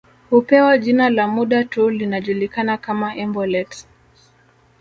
Hupewa jina la muda tu linajulikana kama embolet